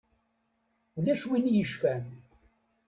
Ulac win i yecfan.